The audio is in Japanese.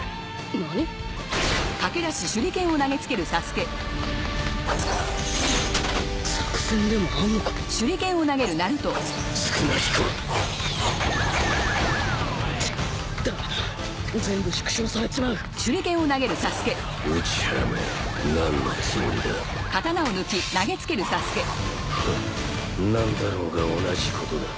何だろうが同じことだ。